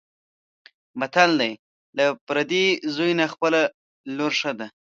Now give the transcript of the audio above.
متل دی: له پردي زوی نه خپله لور ښه ده.